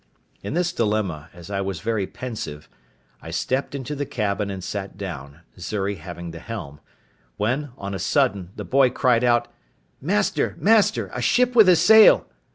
In this dilemma, as I was very pensive, I stepped into the cabin and sat down, Xury having the helm; when, on a sudden, the boy cried out, "Master, master, a ship with a sail!"